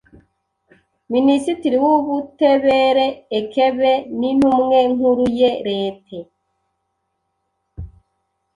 Minisitiri w’Ubutebere ekebe n’Intumwe Nkuru ye Lete,